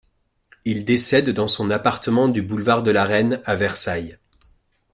Il décède le dans son appartement du boulevard de la Reine à Versailles.